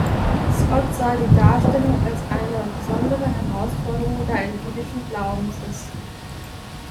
Stott sah die Darstellung als eine besondere Herausforderung, da er jüdischen Glaubens ist.